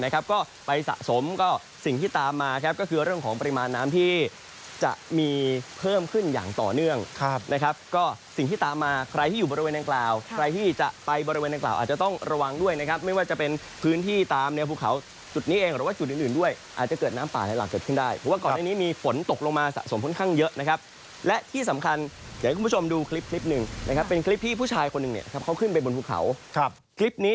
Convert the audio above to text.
ใครที่จะไปบริเวณดังกล่าวอาจจะต้องระวังด้วยนะครับไม่ว่าจะเป็นพื้นที่ตามเนื้อภูเขาจุดนี้เองหรือว่าจุดอื่นด้วยอาจจะเกิดน้ำต่างหลังเกิดขึ้นได้เพราะว่าก่อนในนี้มีฝนตกลงมาสะสมค่อนข้างเยอะนะครับและที่สำคัญอยากให้คุณผู้ชมดูคลิปนึงนะครับเป็นคลิปที่ผู้ชายคนหนึ่งเนี่ยเขาขึ้นไปบน